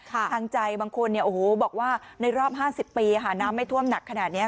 ทางใจบางคนบอกว่าในรอบ๕๐ปีน้ำไม่ท่วมหนักขนาดนี้